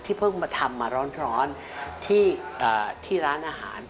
เพิ่งมาทำมาร้อนที่ร้านอาหาร